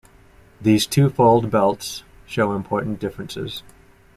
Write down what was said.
These twofold belts show important differences.